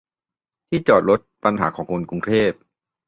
ที่จอดรถ ปัญหาของคนกรุงเทพ